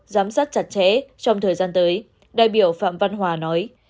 giám sát chặt chẽ trong thời gian tới đại biểu phạm văn hòa nói